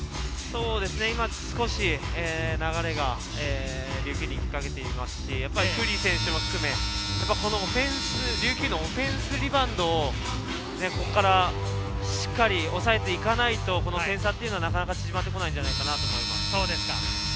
今、少し、流れが琉球に行きかけていますし、クーリー選手を含め、琉球のオフェンスリバウンドをここからしっかり抑えていかないと、この点差はなかなか縮まって来ないのかなと思います。